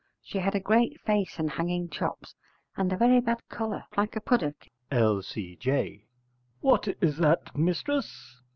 She had a great face and hanging chops and a very bad colour like a puddock. L.C.J. What is that, mistress?